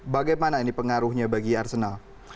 bagaimana ini pengaruhnya bagi arsenal